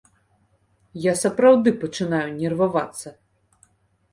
Я сапраўды пачынаю нервавацца.